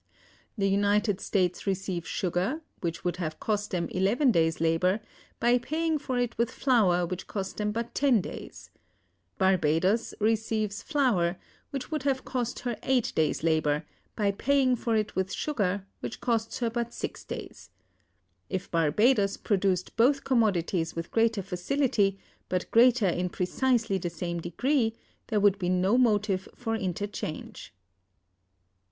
The United States receive sugar, which would have cost them eleven days' labor, by paying for it with flour which costs them but ten days. Barbadoes receives flour, which would have cost her eight days' labor, by paying for it with sugar which costs her but six days. If Barbadoes produced both commodities with greater facility, but greater in precisely the same degree, there would be no motive for interchange."